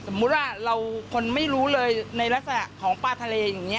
มุติว่าเราคนไม่รู้เลยในลักษณะของปลาทะเลอย่างนี้